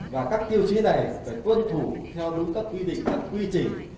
và các tiêu chí này phải tuân thủ theo đúng các quy định và quy trình